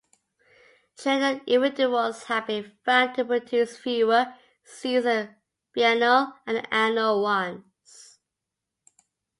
Triennial individuals have been found to produce fewer seeds than biennial and annual ones.